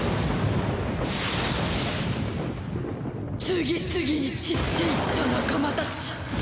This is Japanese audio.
次々に散っていった仲間たち